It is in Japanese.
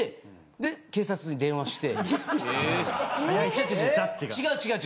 で警察電話して。